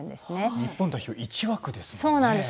日本代表は１枠ですものね。